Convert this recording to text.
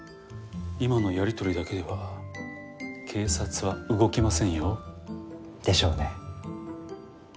今のやりとりだけでは警察は動きませんよ。でしょうね。